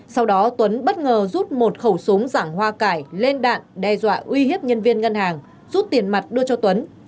sau đó tuấn bất ngờ rút một khẩu súng giảng hoa cải lên đạn đe dọa uy hiếp nhân viên ngân hàng rút tiền mặt đưa cho tuấn